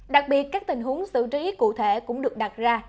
đặc biệt các tình huống xử lý cụ thể cũng được đặt ra